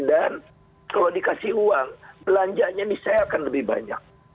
dan kalau dikasih uang belanjanya ini saya akan lebih banyak